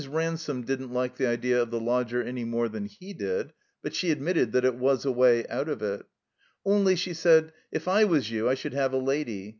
Ransome didn't like the idea of the lodger any more than he did, but she admitted that it was a way out of it. "Only," she said, "if I was you I should have a lady.